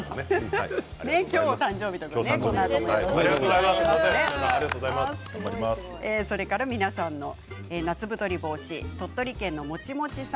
今日が誕生日という方で皆さんの夏太り防止、鳥取県の方。